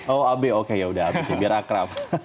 oh abe oke yaudah abisnya biar akrab